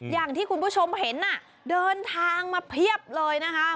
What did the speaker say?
อย่างที่คุณผู้ชมเห็นน่ะเดินทางมาเพียบเลยนะคะ